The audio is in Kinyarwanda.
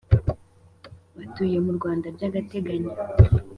Batuye mu Rwanda by’ agateganyo